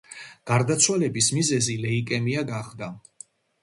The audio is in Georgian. გარდაცვალების მიზეზი ლეიკემია გახდა.